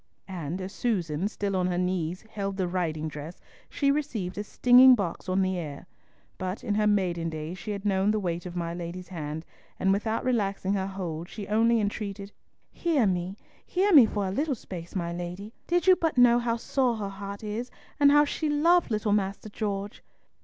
and as Susan, still on her knees, held the riding dress, she received a stinging box on the ear. But in her maiden days she had known the weight of my lady's hand, and without relaxing her hold, she only entreated: "Hear me, hear me for a little space, my lady. Did you but know how sore her heart is, and how she loved little Master George!"